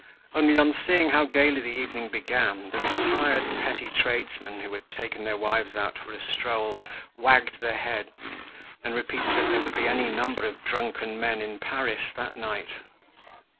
Only, on seeing how gaily the evening began, the retired petty tradesmen who had taken their wives out for a stroll wagged their heads, and repeated that there would be any number of drunken men in Paris that night.